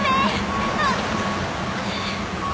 あっ！